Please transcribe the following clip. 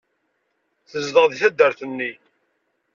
Tezdeɣ deg taddart-nni.